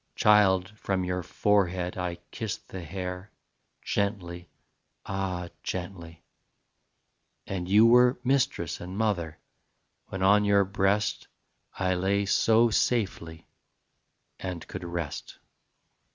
Child, from your forehead I kissed the hair, Gently, ah, gently: And you were Mistress and mother When on your breast I lay so safely And could rest.